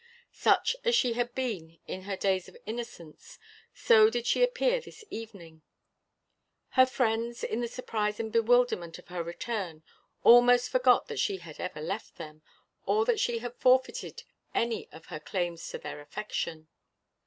Such as she had been in her days of innocence, so did she appear this evening. Her friends, in the surprise and bewilderment of her return, almost forgot that she had ever left them, or that she had forfeited any of her claims to their affection.